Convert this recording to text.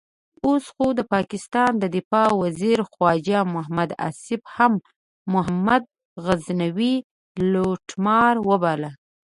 اوس خو د پاکستان دفاع وزیر خواجه محمد آصف هم محمود غزنوي لوټمار وباله.